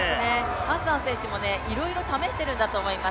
ハッサン選手もいろいろ試しているんだと思います。